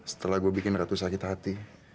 setelah gue bikin ratu sakit hati